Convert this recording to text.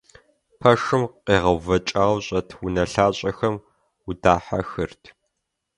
Пэшым къегъэувэкӀауэ щӀэт унэлъащӀэхэм удахьэхырт.